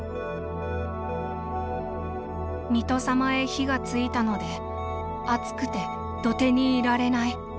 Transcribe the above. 「水戸様へ火がついたのであつくてどてにいられない。